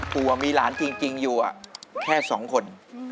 ผัวมีหลานจริงอยู่แค่๒คน